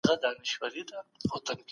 که موږ علم زده کړو ژوند به مو سوکاله سي.